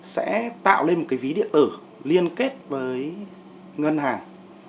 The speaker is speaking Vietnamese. sẽ tạo lên một cái ví điện tử liên kết với ngân hàng